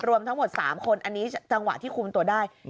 รวมทั้งหมด๓คนอันนี้จังหวะที่คุมตัวได้